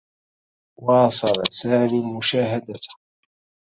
واصل سامي المشاهدة.